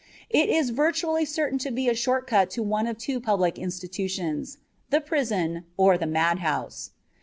It is virtually certain to be a short cut to one of two public institutions, the prison or the madhouse.